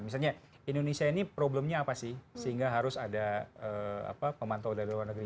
misalnya indonesia ini problemnya apa sih sehingga harus ada pemantau dari luar negeri